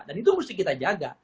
dan itu harus kita jaga